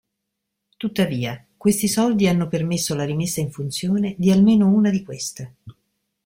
Tuttavia, questi soldi hanno permesso la rimessa in funzione di almeno una di queste.